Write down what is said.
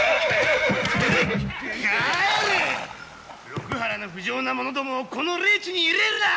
六波羅の不浄な者どもをこの霊地に入れるな！